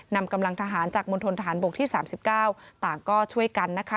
นำกำลังทหารจากมณฑนทหารบกที่๓๙ต่างก็ช่วยกันนะคะ